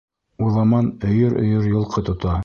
Уҙаман өйөр-өйөр йылҡы тота.